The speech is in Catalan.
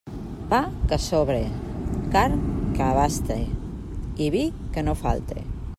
Pa que sobre, carn que abaste i vi que no falte.